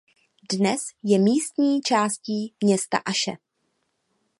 Dnes je místní částí města Aše.